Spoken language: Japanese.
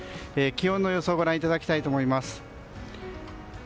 気温の予想をご覧いただきたいと思います。